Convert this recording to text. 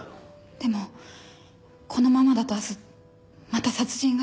でもこのままだと明日また殺人が。